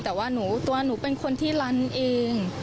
แต่ว่าตัวหนูเป็นคนที่ลันเอง